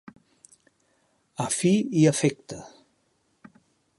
A fi i efecte.